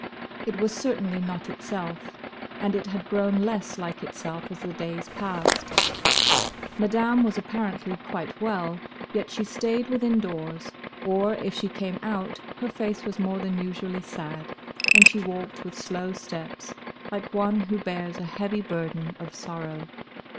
It was certainly not itself, and it had grown less like itself as the days passed. Madame was apparently quite well, yet she stayed within doors, or, if she came out, her face was more than usually sad, and she walked with slow steps, like one who bears a heavy burden of sorrow.